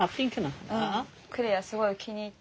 來愛すごい気に入って。